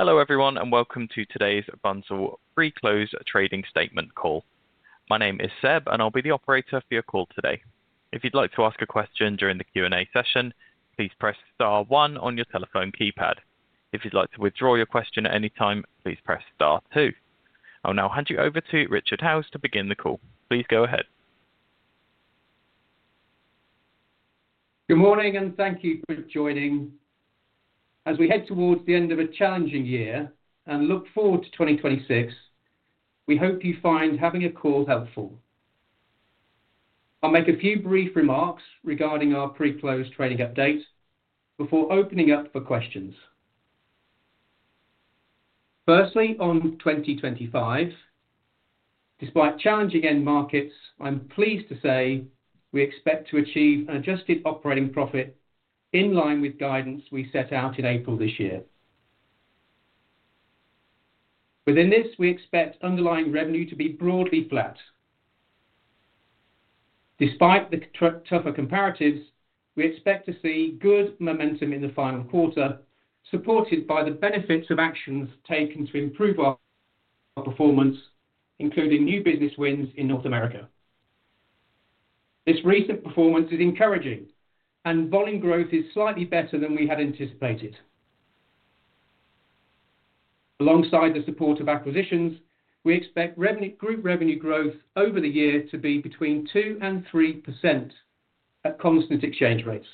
Hello everyone, and welcome to today's Bunzl's Pre-Close Trading Statement call. My name is Seb, and I'll be the operator for your call today. If you'd like to ask a question during the Q&A session, please press star 1 on your telephone keypad. If you'd like to withdraw your question at any time, please press star 2. I'll now hand you over to Richard Howes to begin the call. Please go ahead. Good morning, and thank you for joining. As we head towards the end of a challenging year and look forward to 2026, we hope you find having a call helpful. I'll make a few brief remarks regarding our pre-close trading update before opening up for questions. Firstly, on 2025, despite challenging end markets, I'm pleased to say we expect to achieve an adjusted operating profit in line with guidance we set out in April this year. Within this, we expect underlying revenue to be broadly flat. Despite the tougher comparatives, we expect to see good momentum in the final quarter, supported by the benefits of actions taken to improve our performance, including new business wins in North America. This recent performance is encouraging, and volume growth is slightly better than we had anticipated. Alongside the support of acquisitions, we expect group revenue growth over the year to be between 2% and 3% at constant exchange rates.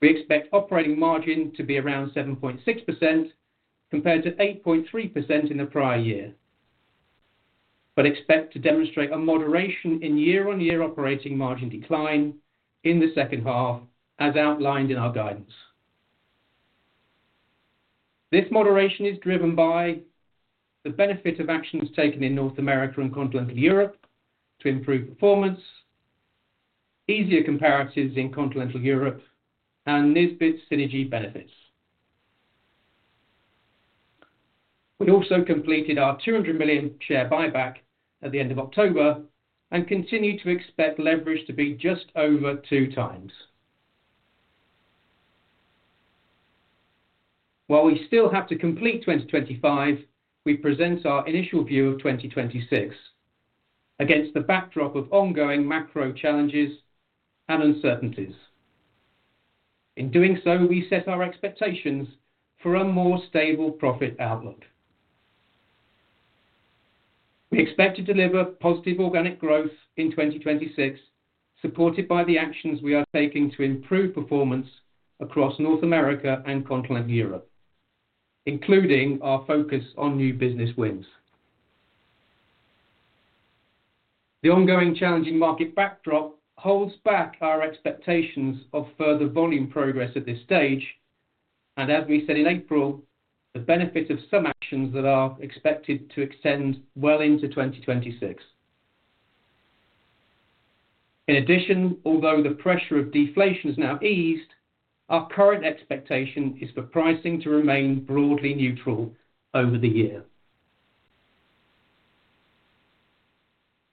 We expect operating margin to be around 7.6% compared to 8.3% in the prior year, but expect to demonstrate a moderation in year-on-year operating margin decline in the second half, as outlined in our guidance. This moderation is driven by the benefit of actions taken in North America and Continental Europe to improve performance, easier comparatives in Continental Europe, and Nisbets synergy benefits. We also completed our 200 million share buyback at the end of October and continue to expect leverage to be just over two times. While we still have to complete 2025, we present our initial view of 2026 against the backdrop of ongoing macro challenges and uncertainties. In doing so, we set our expectations for a more stable profit outlook. We expect to deliver positive organic growth in 2026, supported by the actions we are taking to improve performance across North America and Continental Europe, including our focus on new business wins. The ongoing challenging market backdrop holds back our expectations of further volume progress at this stage, and as we said in April, the benefit of some actions that are expected to extend well into 2026. In addition, although the pressure of deflation has now eased, our current expectation is for pricing to remain broadly neutral over the year.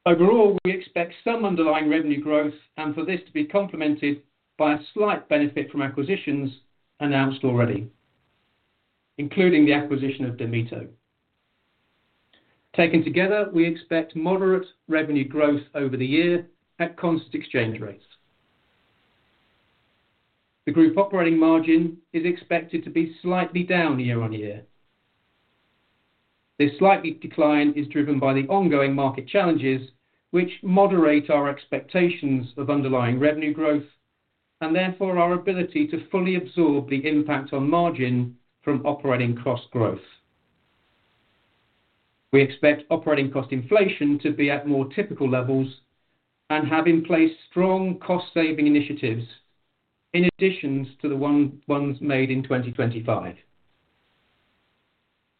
Overall, we expect some underlying revenue growth, and for this to be complemented by a slight benefit from acquisitions announced already, including the acquisition of Diamito. Taken together, we expect moderate revenue growth over the year at constant exchange rates. The group operating margin is expected to be slightly down year-on-year. This slight decline is driven by the ongoing market challenges, which moderate our expectations of underlying revenue growth and therefore our ability to fully absorb the impact on margin from operating cost growth. We expect operating cost inflation to be at more typical levels and have in place strong cost-saving initiatives in addition to the ones made in 2025.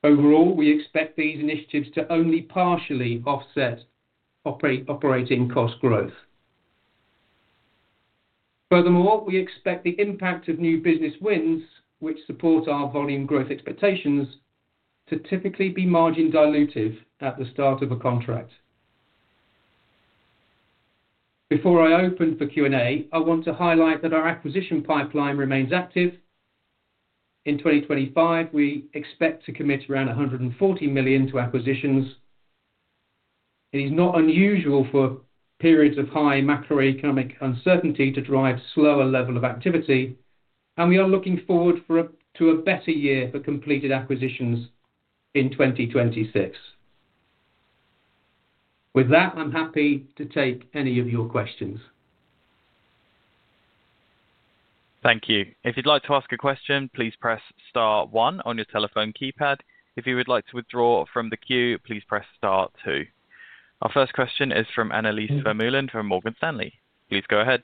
Overall, we expect these initiatives to only partially offset operating cost growth. Furthermore, we expect the impact of new business wins, which support our volume growth expectations, to typically be margin dilutive at the start of a contract. Before I open for Q&A, I want to highlight that our acquisition pipeline remains active. In 2025, we expect to commit around 140 million to acquisitions. It is not unusual for periods of high macroeconomic uncertainty to drive a slower level of activity, and we are looking forward to a better year for completed acquisitions in 2026. With that, I'm happy to take any of your questions. Thank you. If you'd like to ask a question, please press Star 1 on your telephone keypad. If you would like to withdraw from the queue, please press Star 2. Our first question is from Annelies Vermeulen from Morgan Stanley. Please go ahead.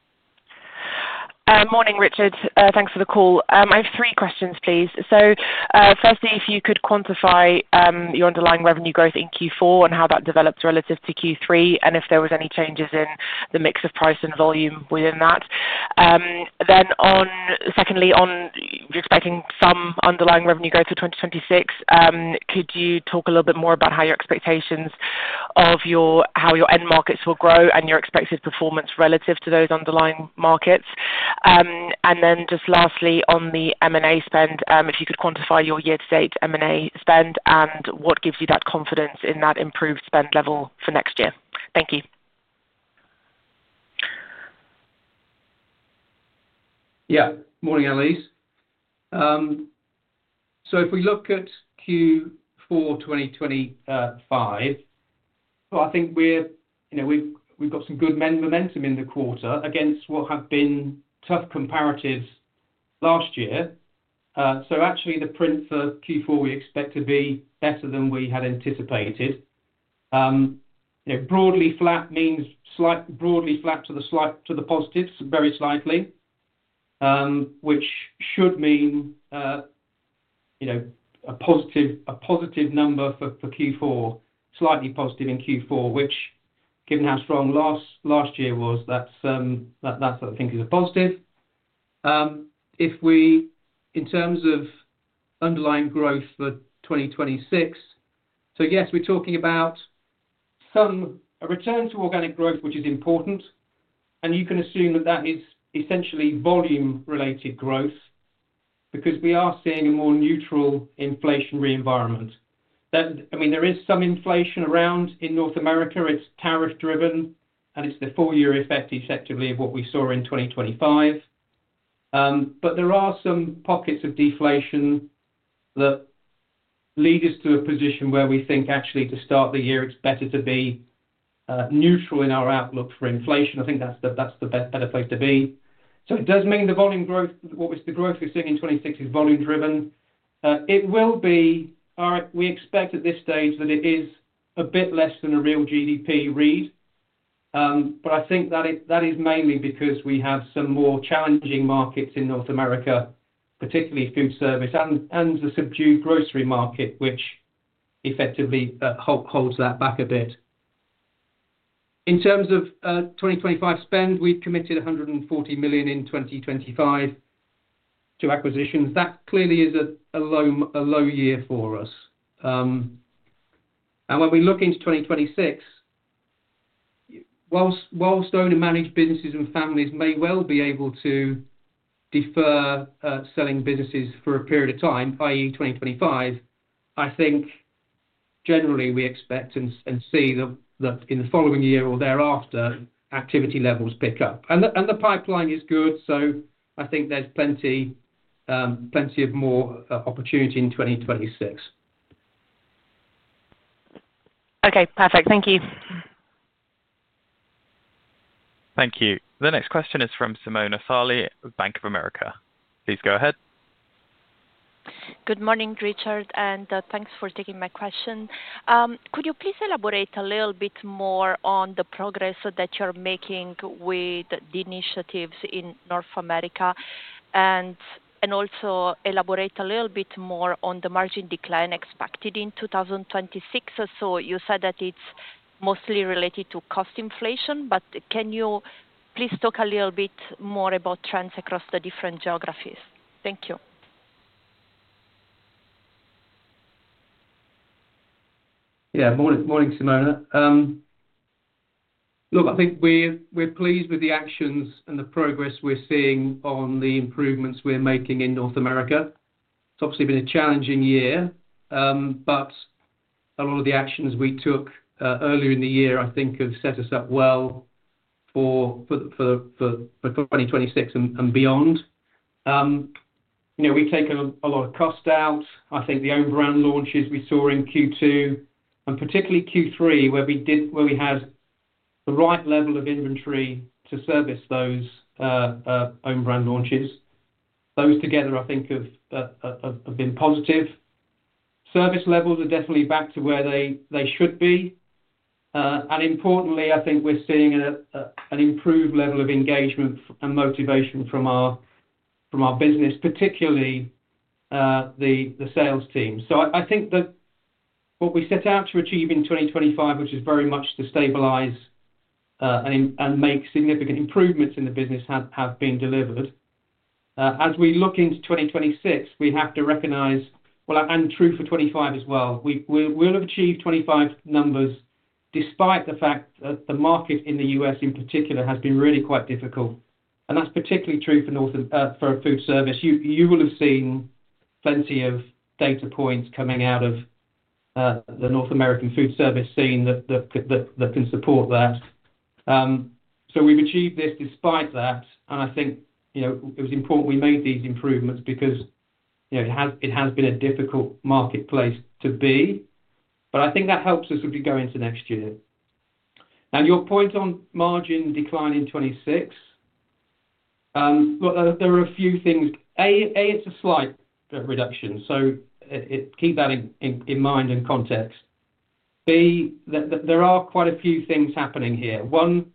Morning, Richard. Thanks for the call. I have three questions, please. So firstly, if you could quantify your underlying revenue growth in Q4 and how that develops relative to Q3, and if there were any changes in the mix of price and volume within that. Then secondly, you're expecting some underlying revenue growth for 2026. Could you talk a little bit more about how your expectations of how your end markets will grow and your expected performance relative to those underlying markets? And then just lastly, on the M&A spend, if you could quantify your year-to-date M&A spend and what gives you that confidence in that improved spend level for next year. Thank you. Yeah, morning, Annelies. So if we look at Q4 2025, I think we've got some good momentum in the quarter against what have been tough comparatives last year. So actually, the print for Q4 we expect to be better than we had anticipated. Broadly flat means slightly broadly flat to the positives, very slightly, which should mean a positive number for Q4, slightly positive in Q4, which, given how strong last year was, that's what I think is a positive. If we, in terms of underlying growth for 2026, so yes, we're talking about some return to organic growth, which is important, and you can assume that that is essentially volume-related growth because we are seeing a more neutral inflationary environment. I mean, there is some inflation around in North America. It's tariff-driven, and it's the four-year effect, effectively, of what we saw in 2025. But there are some pockets of deflation that lead us to a position where we think, actually, to start the year, it's better to be neutral in our outlook for inflation. I think that's the better place to be. So it does mean the volume growth, what was the growth we're seeing in 2026, is volume-driven. It will be, we expect at this stage that it is a bit less than a real GDP read, but I think that is mainly because we have some more challenging markets in North America, particularly foodservice and the subdued grocery market, which effectively holds that back a bit. In terms of 2025 spend, we've committed 140 million in 2025 to acquisitions. That clearly is a low year for us. And when we look into 2026, whilst owner-managed businesses and families may well be able to defer selling businesses for a period of time, i.e., 2025, I think generally we expect and see that in the following year or thereafter, activity levels pick up. And the pipeline is good, so I think there's plenty of more opportunity in 2026. Okay, perfect. Thank you. Thank you. The next question is from Simona Sarli, Bank of America. Please go ahead. Good morning, Richard, and thanks for taking my question. Could you please elaborate a little bit more on the progress that you're making with the initiatives in North America and also elaborate a little bit more on the margin decline expected in 2026? So you said that it's mostly related to cost inflation, but can you please talk a little bit more about trends across the different geographies? Thank you. Yeah, morning, Simona. Look, I think we're pleased with the actions and the progress we're seeing on the improvements we're making in North America. It's obviously been a challenging year, but a lot of the actions we took earlier in the year, I think, have set us up well for 2026 and beyond. We've taken a lot of cost out. I think the own brand launches we saw in Q2 and particularly Q3, where we had the right level of inventory to service those own brand launches, those together, I think, have been positive. Service levels are definitely back to where they should be. And importantly, I think we're seeing an improved level of engagement and motivation from our business, particularly the sales team. So I think that what we set out to achieve in 2025, which is very much to stabilize and make significant improvements in the business, have been delivered. As we look into 2026, we have to recognize, well, and true for 2025 as well, we'll have achieved 2025 numbers despite the fact that the market in the U.S., in particular, has been really quite difficult. And that's particularly true for foodservice. You will have seen plenty of data points coming out of the North American foodservice scene that can support that. So we've achieved this despite that, and I think it was important we made these improvements because it has been a difficult marketplace to be, but I think that helps us as we go into next year. Now, your point on margin decline in 2026, look, there are a few things. A, it's a slight reduction, so keep that in mind and context. B, there are quite a few things happening here. One,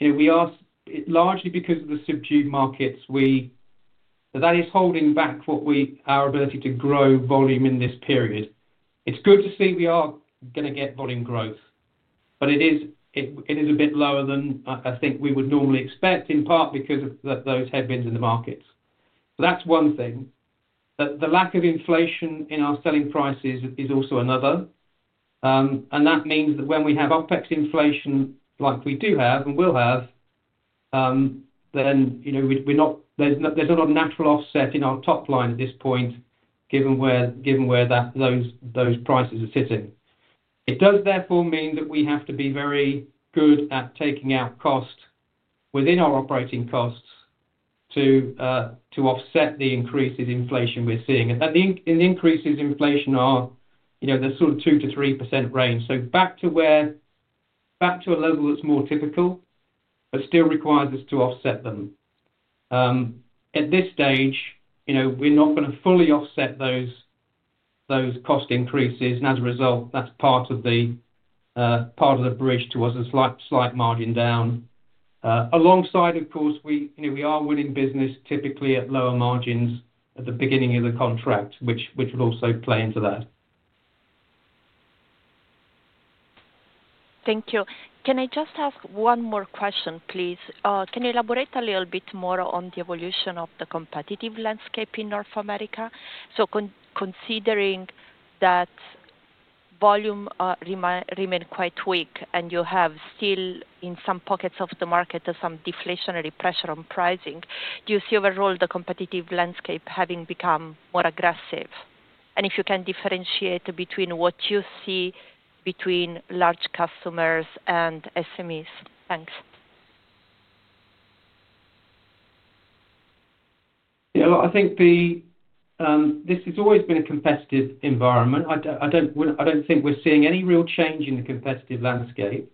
we are largely because of the subdued markets, that is holding back our ability to grow volume in this period. It's good to see we are going to get volume growth, but it is a bit lower than I think we would normally expect, in part because of those headwinds in the markets. So that's one thing. The lack of inflation in our selling prices is also another. And that means that when we have OpEx inflation, like we do have and will have, then there's not a natural offset in our top line at this point, given where those prices are sitting. It does, therefore, mean that we have to be very good at taking out cost within our operating costs to offset the increases in inflation we're seeing. And the increases in inflation are the sort of 2%-3% range. So back to a level that's more typical, but still requires us to offset them. At this stage, we're not going to fully offset those cost increases, and as a result, that's part of the bridge towards a slight margin down. Alongside, of course, we are winning business typically at lower margins at the beginning of the contract, which would also play into that. Thank you. Can I just ask one more question, please? Can you elaborate a little bit more on the evolution of the competitive landscape in North America? So considering that volume remained quite weak and you have still, in some pockets of the market, some deflationary pressure on pricing, do you see overall the competitive landscape having become more aggressive? And if you can differentiate between what you see between large customers and SMEs? Thanks. Yeah, look, I think this has always been a competitive environment. I don't think we're seeing any real change in the competitive landscape.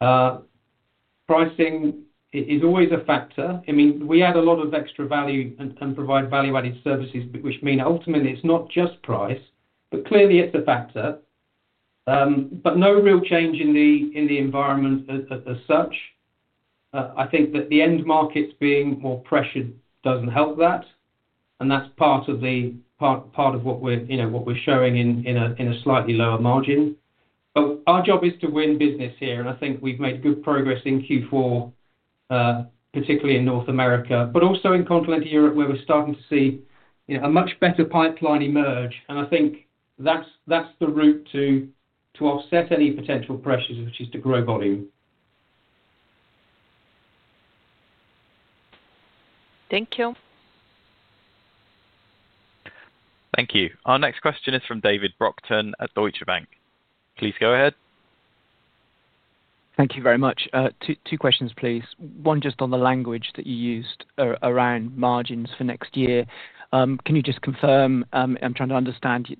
Pricing is always a factor. I mean, we add a lot of extra value and provide value-added services, which mean ultimately it's not just price, but clearly it's a factor. But no real change in the environment as such. I think that the end markets being more pressured doesn't help that, and that's part of what we're showing in a slightly lower margin, but our job is to win business here, and I think we've made good progress in Q4, particularly in North America, but also in Continental Europe, where we're starting to see a much better pipeline emerge, and I think that's the route to offset any potential pressures, which is to grow volume. Thank you. Thank you. Our next question is from David Brockton at Deutsche Bank. Please go ahead. Thank you very much. Two questions, please. One just on the language that you used around margins for next year. Can you just confirm? I'm trying to understand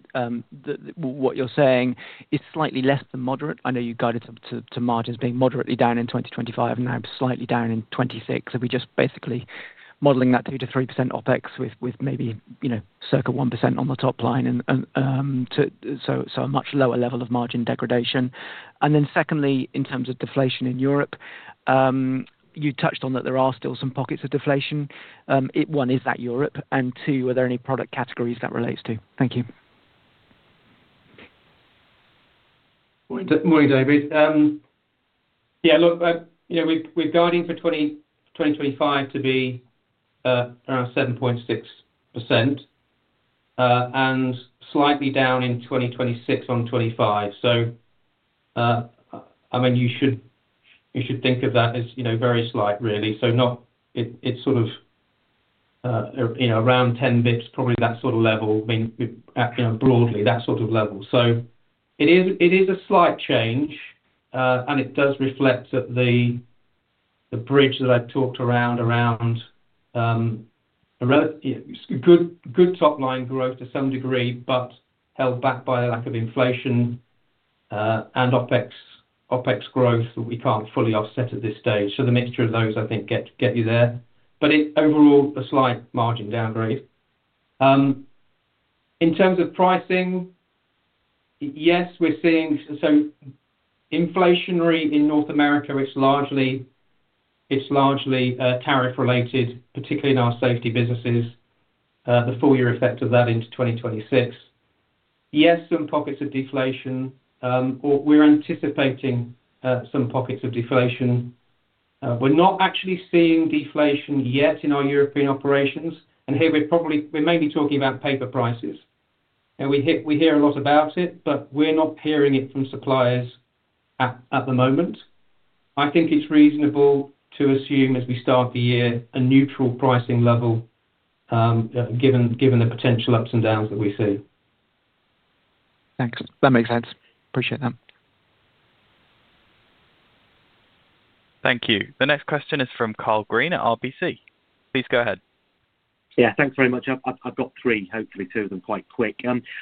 what you're saying. It's slightly less than moderate. I know you guided to margins being moderately down in 2025 and now slightly down in 2026. Are we just basically modeling that 2%-3% OpEx with maybe circa 1% on the top line? So a much lower level of margin degradation. And then secondly, in terms of deflation in Europe, you touched on that there are still some pockets of deflation. One, is that Europe? And two, are there any product categories that relates to? Thank you. Morning, David. Yeah, look, we're guiding for 2025 to be around 7.6% and slightly down in 2026 on 2025. So I mean, you should think of that as very slight, really. So it's sort of around 10 basis points, probably that sort of level, broadly, that sort of level. So it is a slight change, and it does reflect the bridge that I've talked around. Good top line growth to some degree, but held back by a lack of inflation and OpEx growth that we can't fully offset at this stage. So the mixture of those, I think, gets you there. But overall, a slight margin downgrade. In terms of pricing, yes, we're seeing inflation in North America. It's largely tariff-related, particularly in our safety businesses, the flow-through effect of that into 2026. Yes, some pockets of deflation. We're anticipating some pockets of deflation. We're not actually seeing deflation yet in our European operations, and here, we're mainly talking about paper prices. We hear a lot about it, but we're not hearing it from suppliers at the moment. I think it's reasonable to assume, as we start the year, a neutral pricing level given the potential ups and downs that we see. Thanks. That makes sense. Appreciate that. Thank you. The next question is from Karl Green at RBC. Please go ahead. Yeah, thanks very much. I've got three, hopefully two of them quite quick.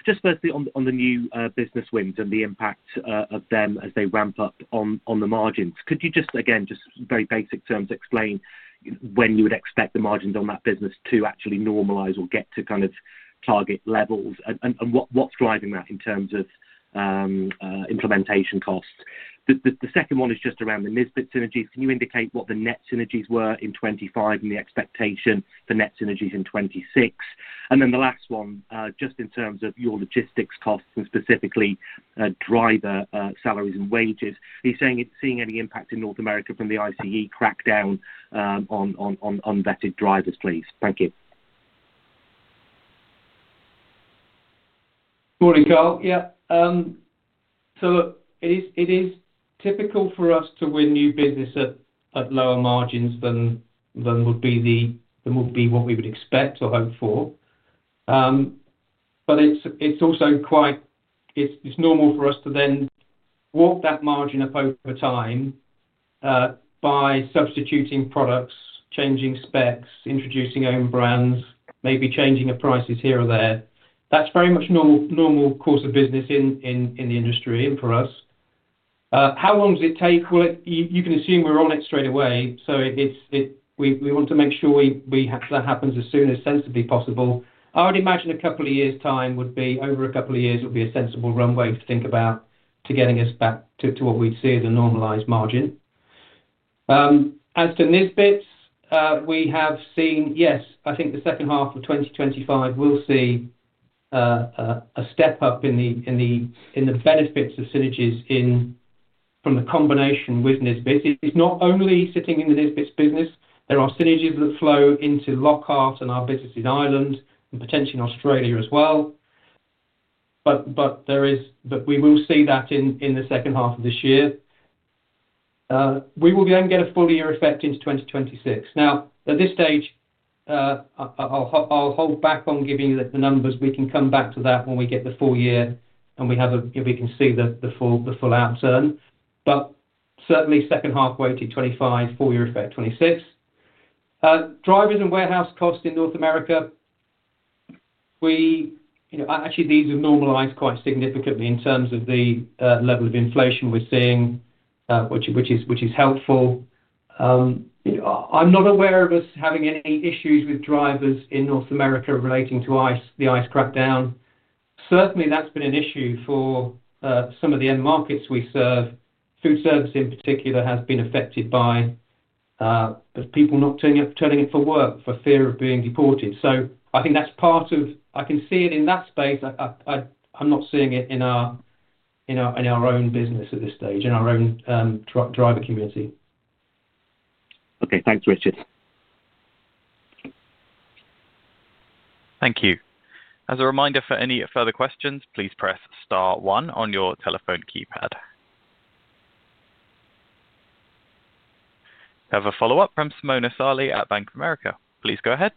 Just firstly, on the new business wins and the impact of them as they ramp up on the margins, could you just, again, just very basic terms, explain when you would expect the margins on that business to actually normalize or get to kind of target levels and what's driving that in terms of implementation costs? The second one is just around the Nisbets synergies. Can you indicate what the net synergies were in 2025 and the expectation for net synergies in 2026? And then the last one, just in terms of your logistics costs and specifically driver salaries and wages, are you seeing any impact in North America from the ICE crackdown on unvetted drivers, please? Thank you. Morning, Karl. Yeah. So it is typical for us to win new business at lower margins than would be what we would expect or hope for. But it's also quite normal for us to then walk that margin up over time by substituting products, changing specs, introducing own brands, maybe changing prices here or there. That's very much normal course of business in the industry and for us. How long does it take? Well, you can assume we're on it straight away. So we want to make sure that happens as soon as sensibly possible. I would imagine a couple of years' time would be over a couple of years, would be a sensible runway to think about to getting us back to what we'd see as a normalized margin. As to Nisbets, we have seen, yes, I think the second half of 2025, we'll see a step up in the benefits of synergies from the combination with Nisbets. It's not only sitting in the Nisbets business. There are synergies that flow into Lockhart and our business in Ireland and potentially in Australia as well. But we will see that in the second half of this year. We will then get a full year effect into 2026. Now, at this stage, I'll hold back on giving you the numbers. We can come back to that when we get the full year and we can see the full outturn. But certainly, second half weighted 2025, full year effect 2026. Drivers and warehouse costs in North America, actually, these have normalized quite significantly in terms of the level of inflation we're seeing, which is helpful. I'm not aware of us having any issues with drivers in North America relating to the ICE crackdown. Certainly, that's been an issue for some of the end markets we serve. Food service, in particular, has been affected by people not turning up for work for fear of being deported. So I think that's part of it. I can see it in that space. I'm not seeing it in our own business at this stage, in our own driver community. Okay. Thanks, Richard. Thank you. As a reminder, for any further questions, please press star one on your telephone keypad. We have a follow-up from Simona Sarli at Bank of America. Please go ahead.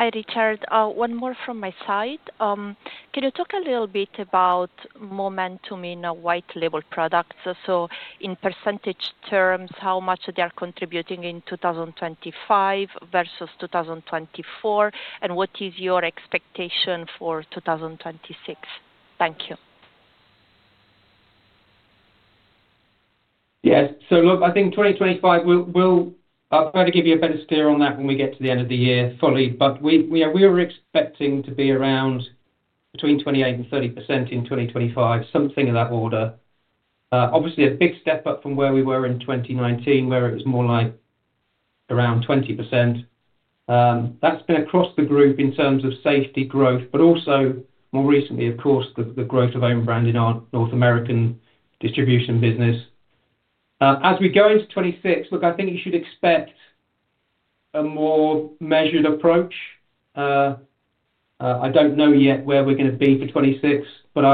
Hi, Richard. One more from my side. Can you talk a little bit about momentum in white label products? So in percentage terms, how much they are contributing in 2025 versus 2024, and what is your expectation for 2026? Thank you. Yes, so look, I think 2025, I'll try to give you a better steer on that when we get to the end of the year fully, but we were expecting to be around between 28% and 30% in 2025, something of that order. Obviously, a big step up from where we were in 2019, where it was more like around 20%. That's been across the group in terms of safety growth, but also more recently, of course, the growth of own brand in our North American distribution business. As we go into 2026, look, I think you should expect a more measured approach. I don't know yet where we're going to be for 2026, but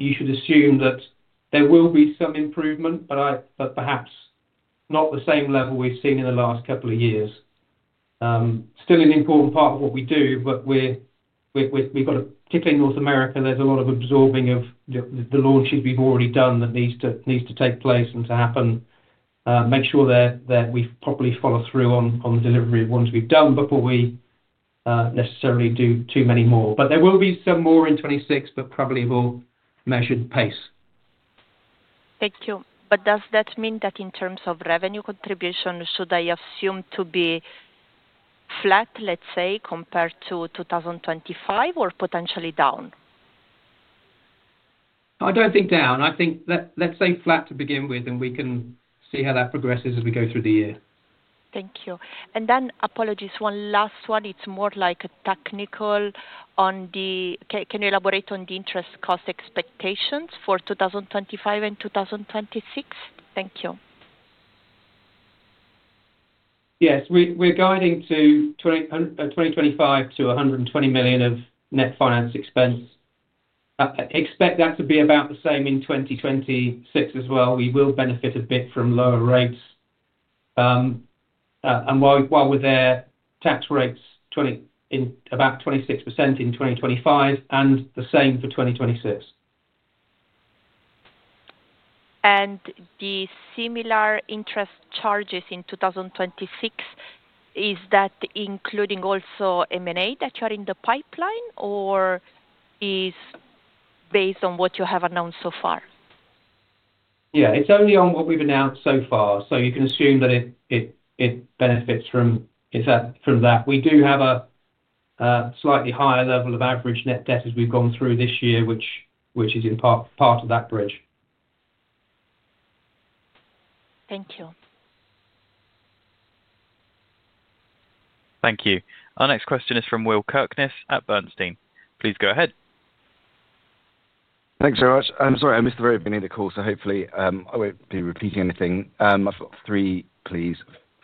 you should assume that there will be some improvement, but perhaps not the same level we've seen in the last couple of years. Still an important part of what we do, but particularly in North America, there's a lot of absorbing of the launches we've already done that needs to take place and to happen. Make sure that we properly follow through on the delivery of ones we've done before we necessarily do too many more. But there will be some more in 2026, but probably at a more measured pace. Thank you. But does that mean that in terms of revenue contribution, should I assume to be flat, let's say, compared to 2025, or potentially down? I don't think down. I think, let's say, flat to begin with, and we can see how that progresses as we go through the year. Thank you, and then, apologies, one last one. It's more like a technical one. Can you elaborate on the interest cost expectations for 2025 and 2026? Thank you. Yes. We're guiding to 2025 to 120 million of net finance expense. Expect that to be about the same in 2026 as well. We will benefit a bit from lower rates, and while we're there, tax rates about 26% in 2025 and the same for 2026. The similar interest charges in 2026, is that including also M&A that you are in the pipeline, or is it based on what you have announced so far? Yeah. It's only on what we've announced so far. So you can assume that it benefits from that. We do have a slightly higher level of average net debt as we've gone through this year, which is in part of that bridge. Thank you. Thank you. Our next question is from Will Kirkness at Bernstein. Please go ahead. Thanks very much. I'm sorry, I missed the very beginning of the call, so hopefully, I won't be repeating anything. I've got three, please.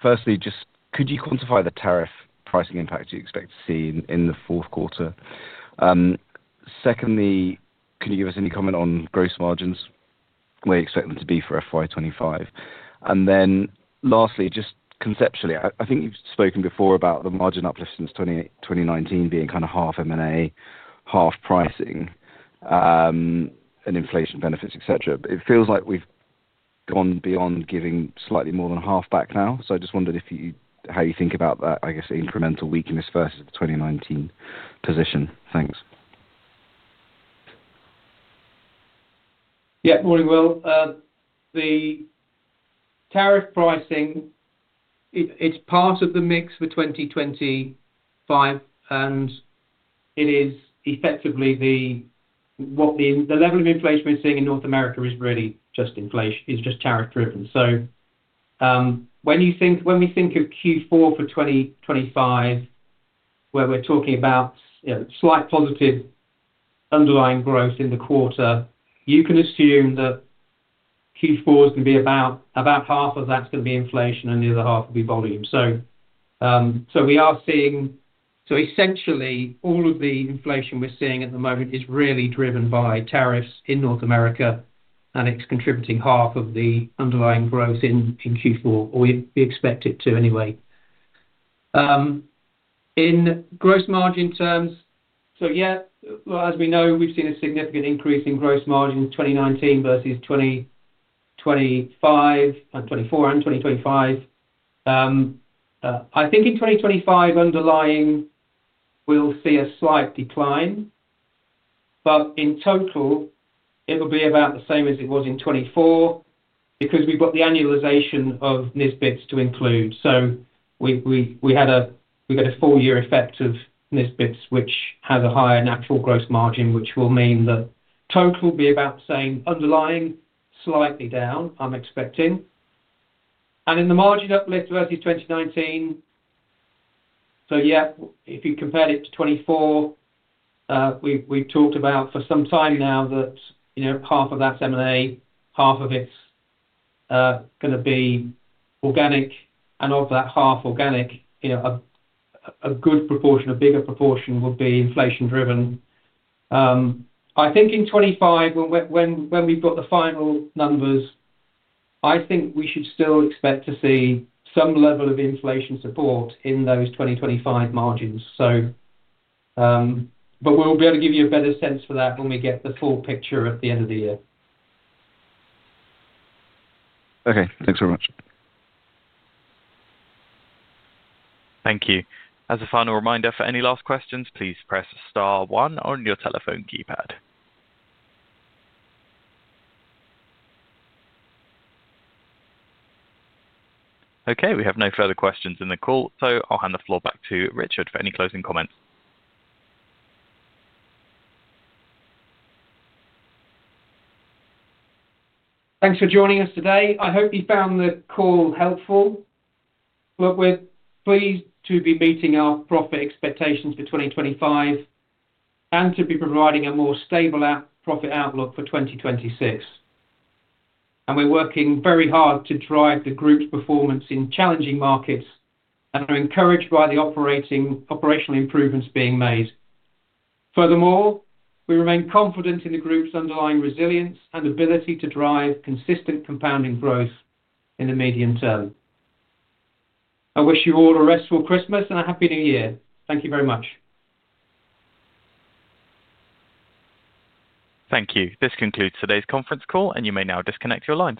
Firstly, just could you quantify the tariff pricing impact you expect to see in the fourth quarter? Secondly, can you give us any comment on gross margins? We expect them to be for FY25. And then lastly, just conceptually, I think you've spoken before about the margin uplift since 2019 being kind of half M&A, half pricing, and inflation benefits, etc. But it feels like we've gone beyond giving slightly more than half back now. So I just wondered how you think about that, I guess, incremental weakness versus the 2019 position. Thanks. Yeah. Morning, Will. The tariff pricing, it's part of the mix for 2025, and it is effectively what the level of inflation we're seeing in North America is really just tariff-driven. When we think of Q4 for 2025, where we're talking about slight positive underlying growth in the quarter, you can assume that Q4 is going to be about half of that's going to be inflation, and the other half will be volume. We are seeing essentially, all of the inflation we're seeing at the moment is really driven by tariffs in North America, and it's contributing half of the underlying growth in Q4, or we expect it to anyway. In gross margin terms, yeah, as we know, we've seen a significant increase in gross margins 2019 versus 2025 and 2025. I think in 2025, underlying, we'll see a slight decline. But in total, it will be about the same as it was in 2024 because we've got the annualization of Nisbets to include. So we had a four-year effect of Nisbets, which has a higher natural gross margin, which will mean that total will be about the same. Underlying, slightly down, I'm expecting. And in the margin uplift versus 2019, so yeah, if you compared it to 2024, we've talked about for some time now that half of that's M&A, half of it's going to be organic. And of that half organic, a good proportion, a bigger proportion would be inflation-driven. I think in 2025, when we've got the final numbers, I think we should still expect to see some level of inflation support in those 2025 margins. But we'll be able to give you a better sense for that when we get the full picture at the end of the year. Okay. Thanks very much. Thank you. As a final reminder, for any last questions, please press star one on your telephone keypad. Okay. We have no further questions in the call, so I'll hand the floor back to Richard for any closing comments. Thanks for joining us today. I hope you found the call helpful. Look, we're pleased to be meeting our profit expectations for 2025 and to be providing a more stable profit outlook for 2026. And we're working very hard to drive the group's performance in challenging markets and are encouraged by the operational improvements being made. Furthermore, we remain confident in the group's underlying resilience and ability to drive consistent compounding growth in the medium term. I wish you all a restful Christmas and a happy New Year. Thank you very much. Thank you. This concludes today's conference call, and you may now disconnect your lines.